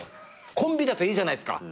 コンビだといいじゃないですか。